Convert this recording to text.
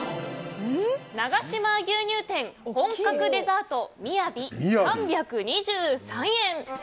永島牛乳店、本格デザート雅３２３円。